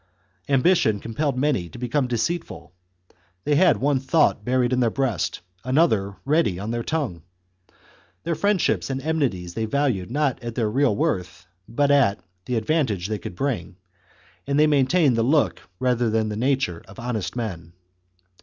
Ambition compelled many to become deceit ful ; they had one thought buried in their breast, another ready on their tongue ; their friendships and enmities they valued not at their real worth, but at the advantage they could bring, and they maintained the look rather than the nature of honest men.